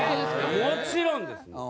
もちろんです。